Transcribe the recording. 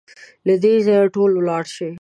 له دې ځايه ټول ولاړ شئ!